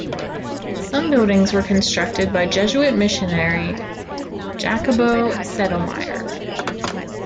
Some buildings were constructed by Jesuit missionary Jacobo Sedelmayer.